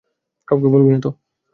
কাউকে বলবি না-তো?